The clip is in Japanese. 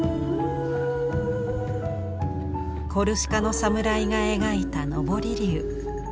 コルシカのサムライが描いた昇り龍。